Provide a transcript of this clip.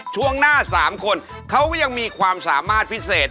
ช่วงหน้า๓คนเขาก็ยังมีความสามารถพิเศษ